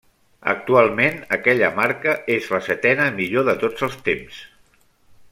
Actualment, aquella marca és la setena millor de tots els temps.